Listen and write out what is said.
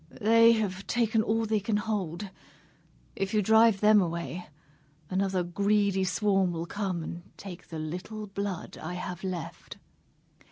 They have taken all they can hold. If you drive them away, another greedy swarm will come and take the little blood I have left."